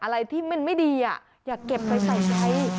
อะไรที่มันไม่ดีอย่าเก็บไปใส่ใจ